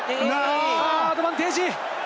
アドバンテージ。